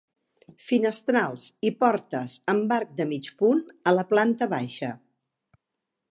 Finestrals i portes amb arc de mig punt a la planta baixa.